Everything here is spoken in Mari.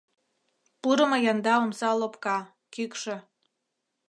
Пурымо янда омса лопка, кӱкшӧ.